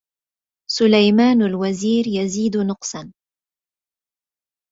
سليمان الوزير يزيد نقصا